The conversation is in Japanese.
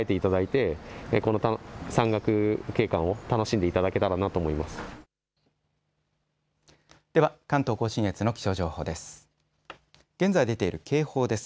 では関東甲信越の気象情報です。